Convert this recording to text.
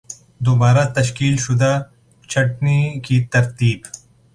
دوبارہ تشکیل شدہ چھٹنی کی ترتیب